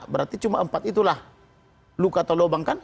berarti cuma empat itulah luka atau lubang kan